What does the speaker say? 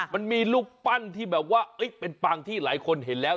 มันมีรูปปั้นที่แบบว่าเป็นปังที่หลายคนเห็นแล้ว